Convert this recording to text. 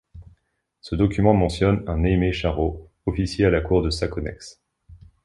Ce document mentionne un Aymé Charrot, officier à la cour de Saconnex.